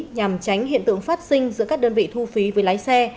nhằm tránh hiện tượng phát sinh giữa các đơn vị thu phí với lái xe